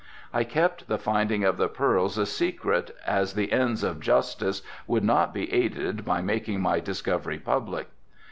I kept the finding of the pearls a secret as the ends of justice would not be aided by making my discovery public.